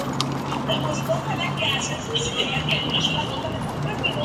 Fue uno de los directores deportivos del Xacobeo Galicia.